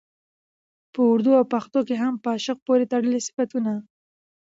په اردو او پښتو کې هم په عاشق پورې تړلي صفتونه